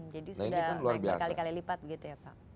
jadi sudah berkali kali lipat begitu ya pak